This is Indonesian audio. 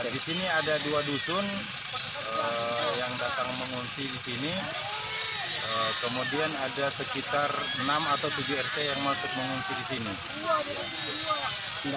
di sini ada dua dusun yang datang mengungsi di sini kemudian ada sekitar enam atau tujuh rt yang masuk mengungsi di sini